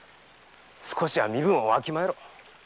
少しは身分をわきまえろ。